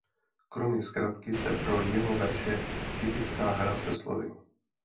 Kromě zkratky se pro jeho verše typická hra se slovy.